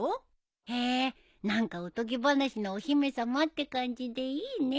へ何かおとぎ話のお姫さまって感じでいいねえ。